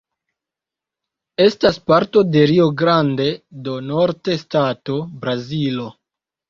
Estas parto de Rio Grande do Norte stato, Brazilo.